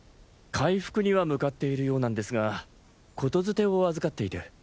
回復には向かっているようなんですが言伝を預かっていて。